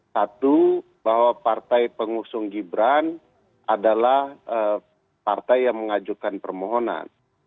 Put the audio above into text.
satu bahwa partai pengusung gibran adalah partai yang mengajukan permohonan